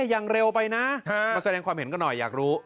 อย่างเร็วไปนะมาแสดงความเห็นกันหน่อยอยากรู้